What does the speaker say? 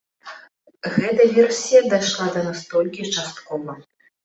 Гэта версія дайшла да нас толькі часткова.